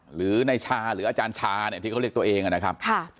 หรือในชาหรืออาจารย์ชาเนี่ยที่เขาเรียกตัวเองนะครับ